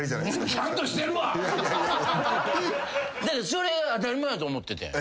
それ当たり前やと思っててん。